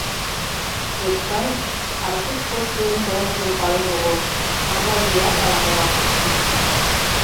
Эшпай Аркуш пошкудын толмыжым пален огыл, Агавият ала-молан ыш шижтаре.